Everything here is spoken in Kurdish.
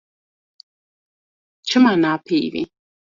Çima napeyivî.